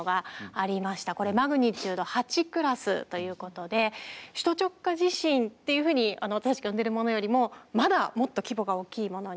これマグニチュード８クラスということで首都直下地震っていうふうに私たちが呼んでいるものよりもまだもっと規模が大きいものになります。